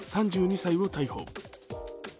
３２歳を逮捕。